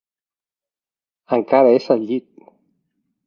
Encara és al llit.